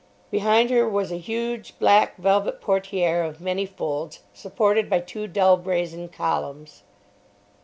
Behind her was a huge, black velvet portière of many folds, supported by two dull brazen columns.